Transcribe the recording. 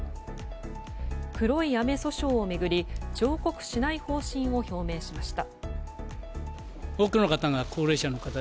黒い雨訴訟を巡り上告しない方針を表明しました。